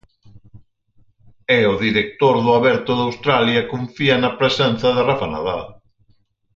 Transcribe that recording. E o director do Aberto de Australia confía na presenza de Rafa Nadal.